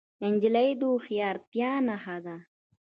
نجلۍ د هوښیارتیا نښه ده.